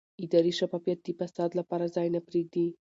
اداري شفافیت د فساد لپاره ځای نه پرېږدي